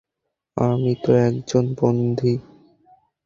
আমি তো একজন বন্দী।